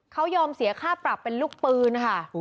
เขายอมเสียค่าปรับเป็นลูกปืนค่ะ